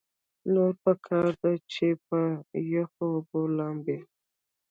نو پکار ده چې پۀ يخو اوبو لامبي -